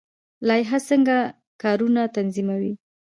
لایحه څنګه کارونه تنظیموي؟